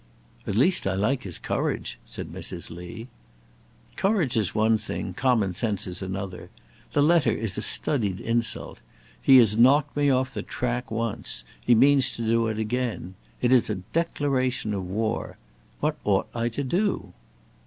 "At least I like his courage," said Mrs. Lee. "Courage is one thing; common sense is another. This letter is a studied insult. He has knocked me off the track once. He means to do it again. It is a declaration of war. What ought I to do?"